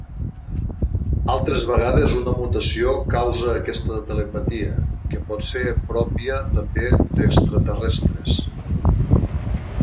Altres vegades, una mutació causa aquesta telepatia, que pot ser pròpia també d'extraterrestres.